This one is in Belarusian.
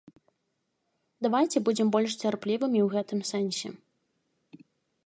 Давайце будзем больш цярплівымі ў гэтым сэнсе.